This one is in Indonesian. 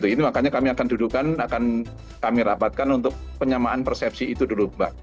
ini makanya kami akan dudukan akan kami rapatkan untuk penyamaan persepsi itu dulu mbak